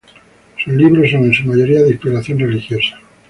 Sus libros son en su mayoría de inspiración religiosa.